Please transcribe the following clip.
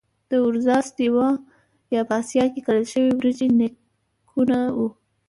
د Oryza sativa یا په اسیا کې کرل شوې وریجې نیکونه وو.